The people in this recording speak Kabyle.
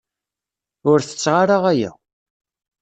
Ur tetteɣ ara aya.